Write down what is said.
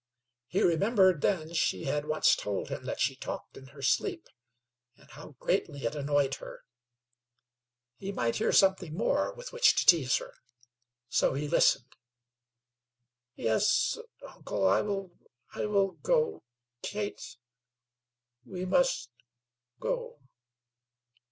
He remembered then she had once told him that she talked in her sleep, and how greatly it annoyed her. He might hear something more with which to tease her; so he listened. "Yes uncle I will go Kate, we must go.